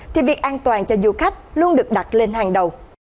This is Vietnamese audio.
thì việc an toàn cho du khách luôn được đặt lên hàng đầu